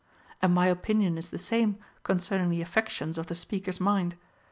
And my opinion is the same concerning the afi"ections of the speaker's mind.